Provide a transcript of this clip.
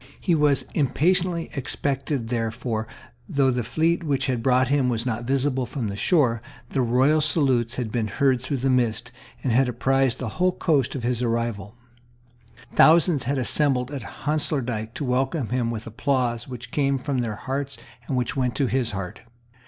He was impatiently expected there for, though the fleet which brought him was not visible from the shore, the royal salutes had been heard through the mist, and had apprised the whole coast of his arrival. Thousands had assembled at Honslaerdyk to welcome him with applause which came from their hearts and which went to his heart.